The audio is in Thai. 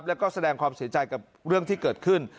แล้วก็แสดงความเสียใจกับเรื่องที่เกิดขึ้น